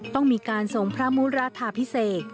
ต้องมีการส่งพระมุรทาพิเศษ